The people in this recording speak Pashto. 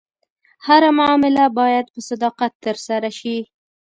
هره معامله باید په صداقت ترسره شي.